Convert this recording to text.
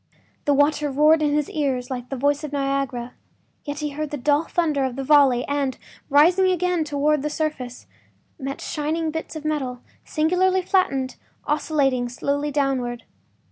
The water roared in his ears like the voice of Niagara, yet he heard the dull thunder of the volley and, rising again toward the surface, met shining bits of metal, singularly flattened, oscillating slowly downward.